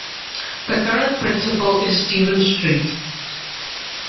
The current principal is Steven Street.